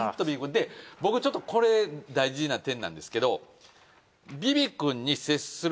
で僕ちょっとこれ大事な点なんですけど。